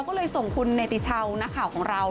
ก็เลยส่งคุณเนติชาวนักข่าวของเรา